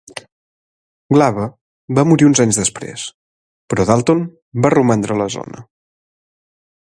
Glave va morir uns anys després, però Dalton va romandre a la zona.